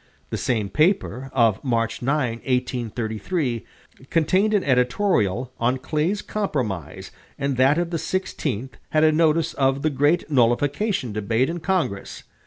The same paper, of March 9, 1833, contained an editorial on Clay's compromise and that of the 16th had a notice of the great nullification debate in Congress.